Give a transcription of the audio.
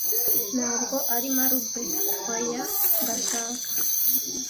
ntabwo ari marble oya ndashaka